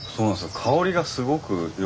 香りがすごくよくて。